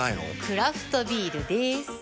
クラフトビールでーす。